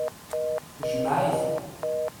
Jmeɛ-it.